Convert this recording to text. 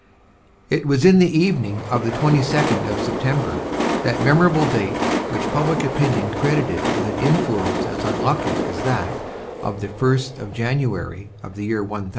It was in the evening of the 22d of September, that memorable date which public opinion credited with an influence as unlucky as that of the 1st of January of the year 1000.